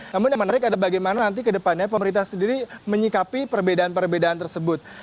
namun yang menarik adalah bagaimana nanti ke depannya pemerintah sendiri menyikapi perbedaan perbedaan tersebut